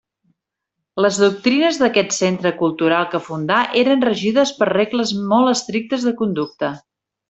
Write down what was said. Les doctrines d'aquest centre cultural que fundà eren regides per regles molt estrictes de conducta.